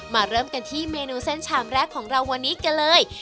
เริ่มกันที่เมนูเส้นชามแรกของเราวันนี้กันเลย